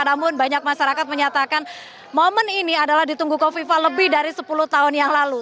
namun banyak masyarakat menyatakan momen ini adalah ditunggu kofifa lebih dari sepuluh tahun yang lalu